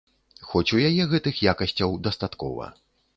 Хоць у яе гэтых якасцяў дастаткова.